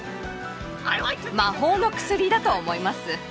魔法の薬だと思います。